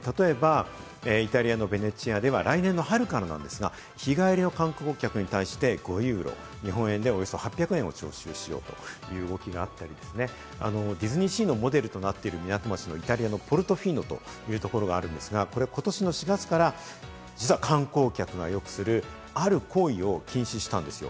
外国でも、例えばイタリアのベネチアでは、来年の春からですが日帰りの観光客に対して５ユーロ、日本円でおよそ８００円を徴収するという動きだったり、ディズニーシーのモデルとされる港町、イタリアのポルトフィーノというところがあるんですが、ことし４月から観光客がよくする、ある行為を禁止したんですよ。